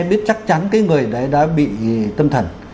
biết chắc chắn cái người đấy đã bị tâm thần